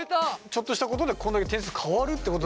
ちょっとしたことでこんだけ点数変わるってことだからね。